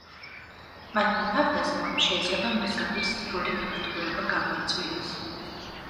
მათმა თავდასხმამ შეიძლება მოსავლის სრული განადგურება გამოიწვიოს.